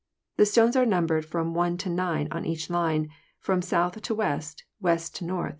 The stones are numbered from 1 to 9 on each line, from south to west, west to north, ete.